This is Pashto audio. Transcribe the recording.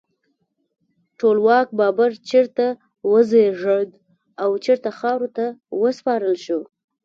ټولواک بابر چیرته وزیږید او چیرته خاورو ته وسپارل شو؟